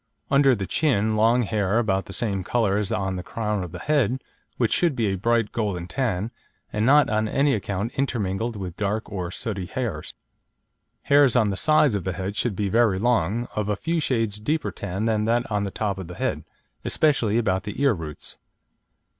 Under the chin, long hair, about the same colour as on the crown of the head, which should be a bright, golden tan, and not on any account intermingled with dark or sooty hairs. Hairs on the sides of the head should be very long, of a few shades deeper tan than that on the top of the head, especially about the ear roots.